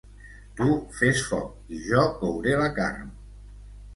Tu fes foc i jo couré la carn.